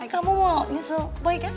kamu mau nyusul boy kan